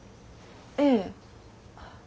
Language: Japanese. ええ。